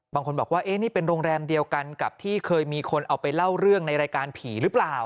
บางคนบอกว่านี่เป็นโรงแรมเดียวกันกับที่เคยมีคนเอาไปเล่าเรื่องในรายการผีหรือเปล่า